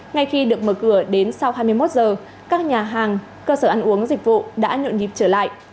ngay khi được mở cửa đến sau hai mươi một giờ các nhà hàng cơ sở ăn uống dịch vụ đã nhộn nhịp trở lại